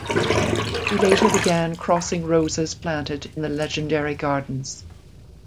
He later began crossing roses planted in the legendary gardens.